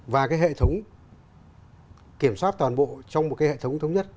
và cái hệ thống kiểm soát toàn bộ trong một cái hệ thống thống nhất